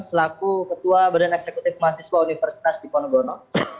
selaku ketua bem masih suha universitas di ponegono